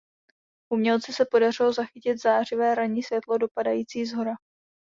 Umělci se podařilo zachytit zářivé ranní světlo dopadající shora.